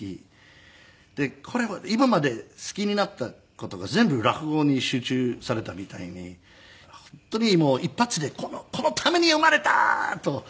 これ今まで好きになった事が全部落語に集中されたみたいに本当に一発でこのために生まれた！と感じました。